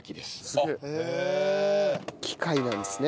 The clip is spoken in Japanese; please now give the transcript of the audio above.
機械なんですね。